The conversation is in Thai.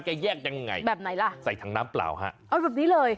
แยกยังไงแบบไหนล่ะใส่ถังน้ำเปล่าฮะเอาแบบนี้เลย